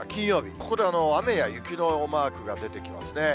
ここで雨や雪のマークが出てきますね。